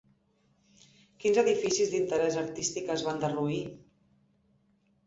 Quins edificis d'interès artístic es van derruir?